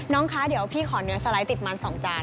คะเดี๋ยวพี่ขอเนื้อสไลด์ติดมัน๒จาน